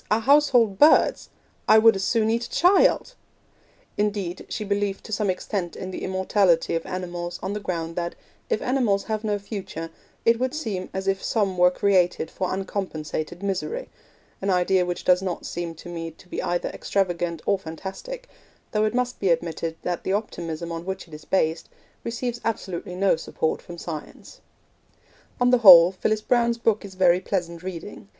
our household birds! I would as soon eat a child!' Indeed, she believed to some extent in the immortality of animals on the ground that, if animals have no future, it would seem as if some were created for uncompensated misery an idea which does not seem to me to be either extravagant or fantastic, though it must be admitted that the optimism on which it is based receives absolutely no support from science. On the whole, Phyllis Browne's book is very pleasant reading.